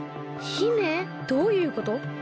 どういうこと？